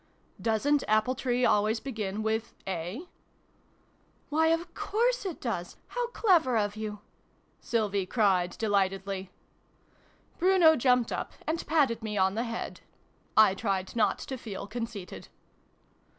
" Doesn't ' Apple tree' always begin with 'Eh!'?" "Why, of course it does! How clever of you !" Sylvie cried delightedly. Bruno jumped up, and patted me on the head. I tried not to feel conceited.